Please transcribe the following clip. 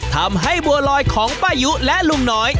ทำให้บัวลอยของป้ายุและลุงน้อย